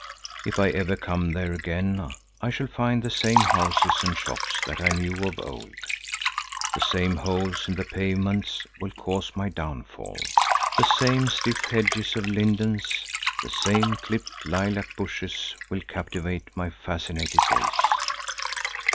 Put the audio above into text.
If I ever come there again, I shall find the same houses and shops that I knew of old; the same holes in the pavements will cause my downfall; the same stiff hedges of lindens, the same clipped lilac bushes will captivate my fascinated gaze.